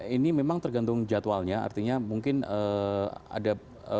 ini memang tergantung jadwalnya artinya mungkin ada